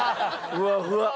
ふわふわ。